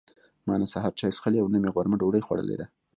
ما نه سهار چای څښلي او نه مې غرمه ډوډۍ خوړلې ده.